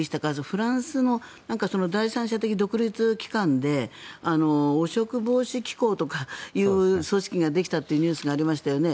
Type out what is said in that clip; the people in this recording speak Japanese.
フランスの第三者的な独立機関で汚職防止機構とかいう組織ができたというニュースがありましたよね。